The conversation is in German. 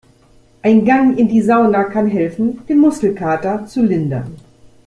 Ein Gang in die Sauna kann helfen, den Muskelkater zu lindern.